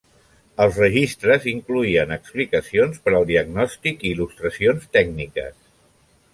Els registres incloïen explicacions per al diagnòstic i il·lustracions tècniques.